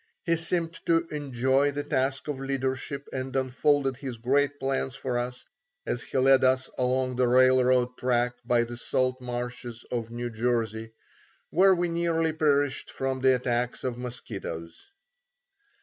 He seemed to enjoy the task of leadership and unfolded his great plans for us as he led us along the railroad track by the salt marshes of New Jersey, where we nearly perished from the attacks of mosquitoes.